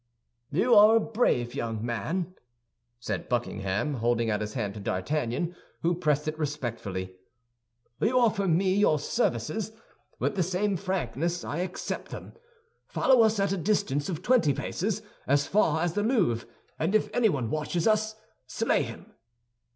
"You are a brave young man," said Buckingham, holding out his hand to D'Artagnan, who pressed it respectfully. "You offer me your services; with the same frankness I accept them. Follow us at a distance of twenty paces, as far as the Louvre, and if anyone watches us, slay him!"